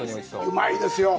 うまいですよ。